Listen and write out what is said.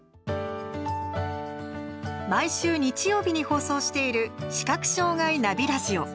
毎週日曜日に放送している「視覚障害ナビ・ラジオ」。